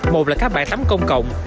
một là các bãi tắm công cộng